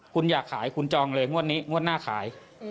คุณอยากขายคุณจองเลยงวดนี้งวดหน้าขาย